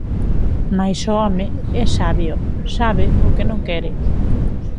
Mais o home é sabio: sabe o que non quere.